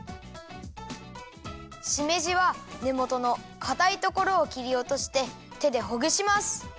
しめじはねもとのかたいところをきりおとしててでほぐします。